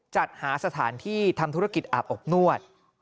จัดหาสถานที่ทำธุรกิจอาบอบนวด